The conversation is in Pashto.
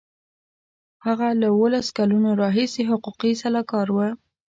هغه له اوولس کلونو راهیسې حقوقي سلاکار و.